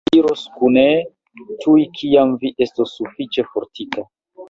Ni iros kune, tuj kiam vi estos sufiĉe fortika.